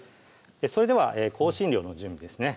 それでは香辛料の準備ですね